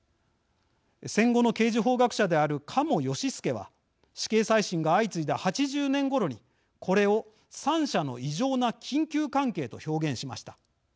戦後の刑事法学者である鴨良弼は死刑再審が相次いだ８０年ごろにこれを「三者の異常な緊急関係」と表現しました。